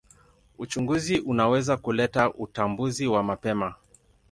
Uchunguzi unaweza kuleta utambuzi wa mapema.